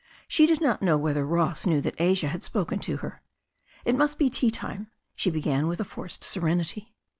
She di4 not know whether Ross knew that Asia had spoken to her. "It must be tea time," she began with a forced serenity.